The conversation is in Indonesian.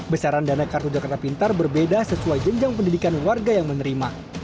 besaran dana kartu jakarta pintar berbeda sesuai jenjang pendidikan warga yang menerima